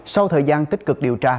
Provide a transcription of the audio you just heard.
sau thời gian tích cực điều tra